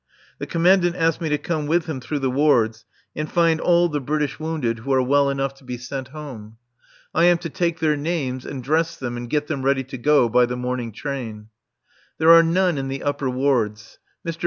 The Commandant asked me to come with him through the wards and find all the British wounded who are well enough to be sent home. I am to take their names and dress them and get them ready to go by the morning train. There are none in the upper wards. Mr.